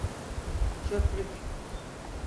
Çöplük…